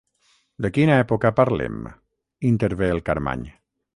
De quina època parlem? —intervé el Carmany.